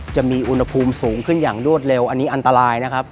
จะมีอุณหภูมิสูงขึ้นอย่างรวดเร็วอันนี้อันตรายนะครับ